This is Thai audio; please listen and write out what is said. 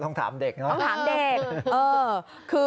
ต้องถามเด็ก